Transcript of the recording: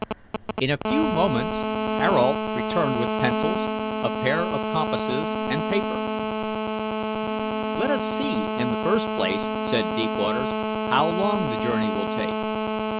In a few moments Ayrault returned with pencils, a pair of compasses, and paper. "Let us see, in the first place," said Deepwaters, "how long the journey will take.